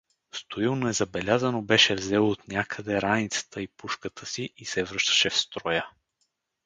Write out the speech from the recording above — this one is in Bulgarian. Стоил незабелязано беше взел отнякъде раницата и пушката си и се връщаше в строя.